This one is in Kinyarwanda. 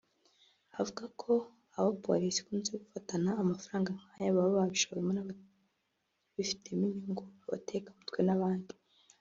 Avuga ko abo Polisi ikunze gufatana amafaranga nk’aya baba babishowemo n’ababifitemo inyungu (abatekamutwe n’abandi)